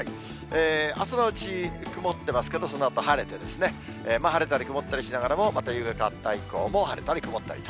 朝のうち曇ってますけど、そのあと晴れてですね、晴れたり曇ったりしながらも、また夕方以降も晴れたり曇ったりと。